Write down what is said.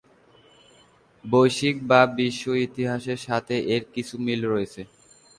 বৈশ্বিক বা বিশ্ব ইতিহাসের সাথে এর কিছু মিল রয়েছে।